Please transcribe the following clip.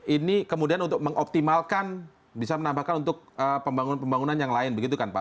ini kemudian untuk mengoptimalkan bisa menambahkan untuk pembangunan pembangunan yang lain begitu kan pak